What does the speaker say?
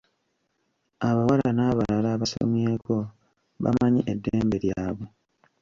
Abawala n'abalala abasomyeko bamanyi eddembe lyabwe.